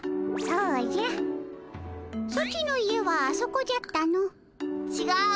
ソチの家はあそこじゃったの。